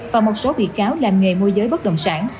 và một số bị cáo làm nghề môi giới bất động sản